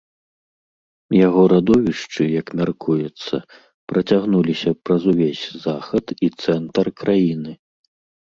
Яго радовішчы, як мяркуецца, працягнуліся праз увесь захад і цэнтр краіны.